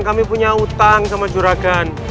kami punya utang sama juragan